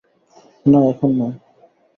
না, এখন নয়।